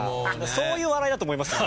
そういう笑いだと思いますよ